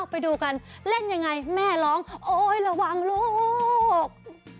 ไปดูกันเล่นยังไงแม่ร้องโอ๊ยระวังลูก